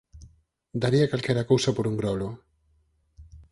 Daría calquera cousa por un grolo!